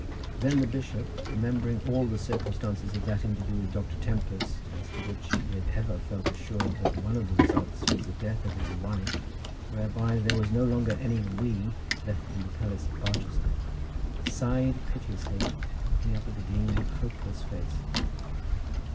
Then the bishop, remembering all the circumstances of that interview with Dr. Tempest, as to which he had ever felt assured that one of the results of it was the death of his wife, whereby there was no longer any "we" left in the palace of Barchester, sighed piteously, looking up at the dean with hopeless face.